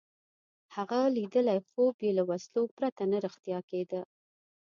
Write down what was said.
هغه لیدلی خوب یې له وسلو پرته نه رښتیا کېده.